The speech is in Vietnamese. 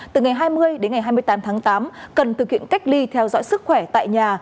từ ngày hai mươi đến ngày hai mươi tám tháng tám cần thực hiện cách ly theo dõi sức khỏe tại nhà